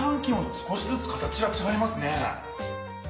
少しずつ形がちがいますね。